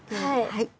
はい。